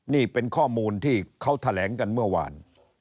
นี่เป็นข้อมูลที่เขาแถลงกันเมื่อวาน